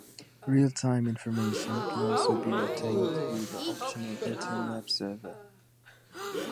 Realtime information can also be obtained through the optional built-in web server.